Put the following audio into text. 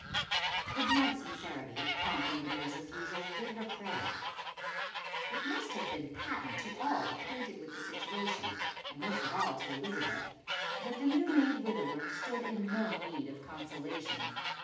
The blunt sincerity prompting the girl's refusal did her credit. It must have been patent to all acquainted with the situation, and most of all to Elizabeth, that the new made widower stood in no need of consolation.